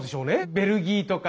ベルギーとか。